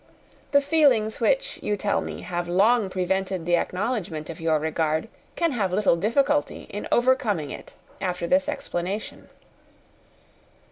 The feelings which you tell me have long prevented the acknowledgment of your regard can have little difficulty in overcoming it after this explanation."